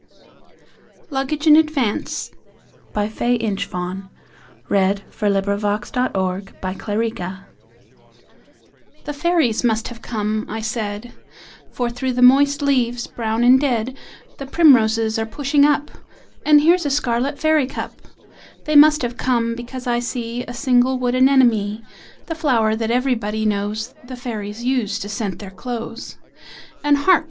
Luggage in Advance "The Fairies must have come," I said, "For through the moist leaves, brown and dead, The Primroses are pushing up, And here's a scarlet Fairy cup. They must have come, because I see A single Wood Anemone, The flower that everybody knows The Fairies use to scent their clothes. And hark!